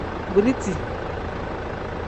Biriti.